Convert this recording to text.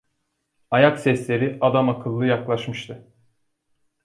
Ayak sesleri adamakıllı yaklaşmıştı.